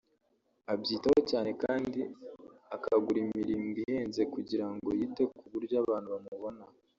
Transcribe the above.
abyitaho cyane kandi akagura imirimbo ihenze kugira ngo yite ku buryo abantu bamubona